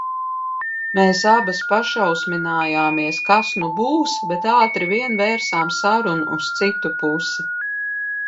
Mēs abas pašausminājāmies, kas nu būs, bet ātri vien vērsām sarunu uz citu pusi.